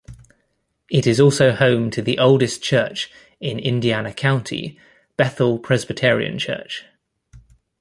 It is also home to the oldest church in Indiana County, Bethel Presbyterian Church.